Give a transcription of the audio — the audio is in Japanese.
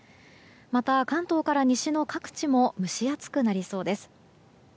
また、関東から西の各地も蒸し暑くなりそうです。